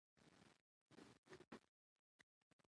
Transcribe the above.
د افغانستان د علومو اکاډمۍ ډېر زاړه متون په تحقيقي ډول چاپ کړل.